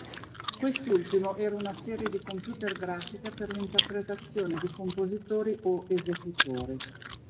Quest'ultimo era una serie di computer grafica per l'interpretazione di compositori o esecutori.